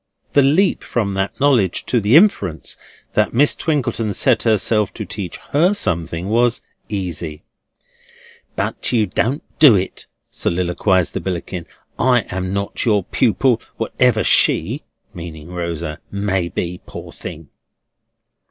The leap from that knowledge to the inference that Miss Twinkleton set herself to teach her something, was easy. "But you don't do it," soliloquised the Billickin; "I am not your pupil, whatever she," meaning Rosa, "may be, poor thing!"